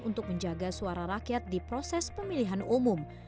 untuk menjaga suara rakyat di proses pemilihan umum